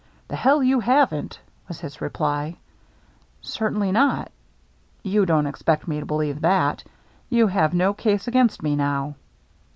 "The hell you haven't!" was his reply. " Certainly not." " You don't expect me to believe that. You have no case against me now."